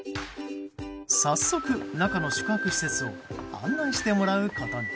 早速、中の宿泊施設を案内してもらうことに。